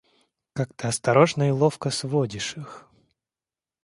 Как ты осторожно и ловко сводишь их...